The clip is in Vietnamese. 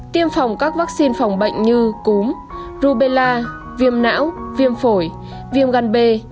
tiêm phòng các vắc xin phòng bệnh như cúm rubella viêm não viêm phổi viêm gan bê